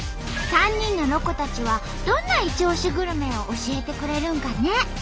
３人のロコたちはどんなイチオシグルメを教えてくれるんかね？